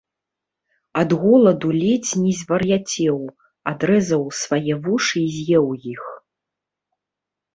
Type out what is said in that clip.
Ад голаду ледзь не звар’яцеў, адрэзаў свае вушы і з’еў іх